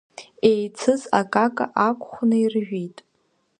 Иеицыз акака аақәхны иржәит.